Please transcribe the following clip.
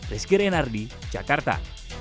rizky renardi jakarta